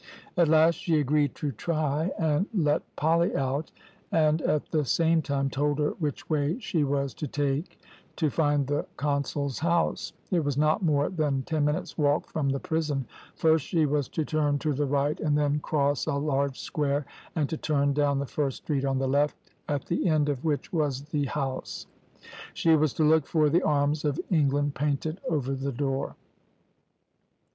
At last she agreed to try and let Polly out, and at the same time told her which way she was to take to find the consul's house it was not more than ten minutes' walk from the prison first she was to turn to the right, and then cross a large square, and to turn down the first street on the left, at the end of which was the house; she was to look for the arms of England painted over the door.